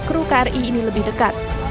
kru kri ini lebih dekat